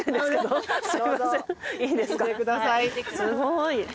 すごい。